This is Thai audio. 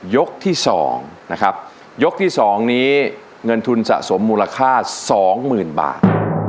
ยกที่๒นะครับยกที่๒นี้เงินทุนสะสมมูลค่าสองหมื่นบาท